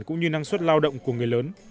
cũng như năng suất lao động của người lớn